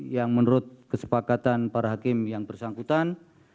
yang menurut kesepakatan para hakim yang bersangkutan